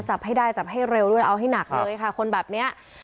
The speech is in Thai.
จับให้ได้จับให้เร็วด้วยเอาให้หนักเลยค่ะคนแบบนี้